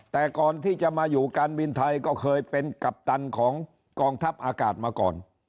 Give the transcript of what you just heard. แต่ก่อนที่จะมาอยู่การบินไทยก็เคยเป็นกัปตันของกองทัพอากาศมาก่อน